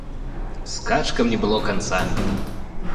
Скачкам не было канца!